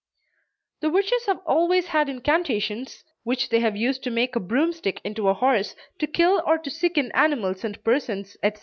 The witches have always had incantations, which they have used to make a broom stick into a horse, to kill or to sicken animals and persons, etc.